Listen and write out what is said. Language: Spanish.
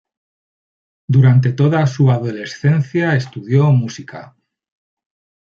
Durante toda su adolescencia estudió música.